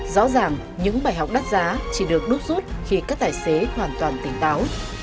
rõ ràng những bài học đắt giá chỉ được đút rút khi các tài xế hoàn toàn tỉnh báo